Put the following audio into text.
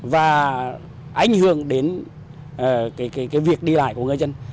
và ảnh hưởng đến việc đi lại của người dân